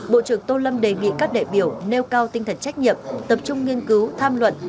bộ trưởng tô lâm đề nghị các đại biểu nêu cao tinh thần trách nhiệm tập trung nghiên cứu tham luận